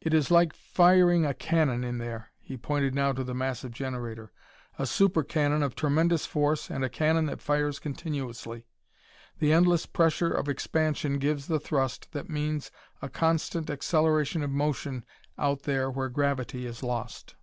"It is like firing a cannon in there," he pointed now to the massive generator "a super cannon of tremendous force and a cannon that fires continuously. The endless pressure of expansion gives the thrust that means a constant acceleration of motion out there where gravity is lost.